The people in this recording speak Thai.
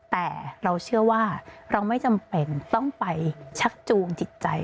แต่เราเชื่อว่าเราไม่จำเป็นต้องไปชักจูงจิตใจ